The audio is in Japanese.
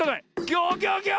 ギョギョギョ！